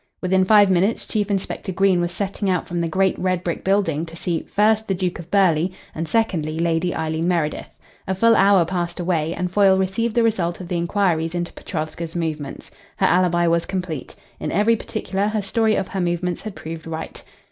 Within five minutes Chief Inspector Green was setting out from the great red brick building to see, first, the Duke of Burghley and, secondly, Lady Eileen Meredith. A full hour passed away, and Foyle received the result of the inquiries into Petrovska's movements. Her alibi was complete. In every particular her story of her movements had proved right.